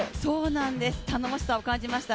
頼もしさを感じました。